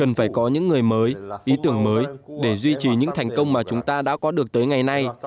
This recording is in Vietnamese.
cần phải có những người mới ý tưởng mới để duy trì những thành công mà chúng ta đã có được tới ngày nay